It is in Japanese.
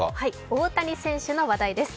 大谷選手の話題です。